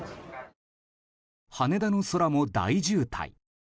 羽田の空も大渋滞。